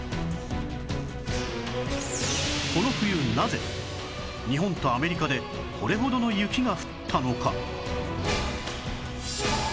この冬なぜ日本とアメリカでこれほどの雪が降ったのか？